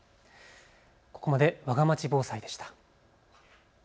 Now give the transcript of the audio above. ここまで、わがまち防災でした。